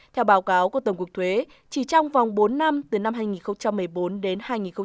theo báo cáo của tổng cục thuế chỉ trong vòng bốn năm từ năm hai nghìn một mươi bốn đến hai nghìn một mươi tám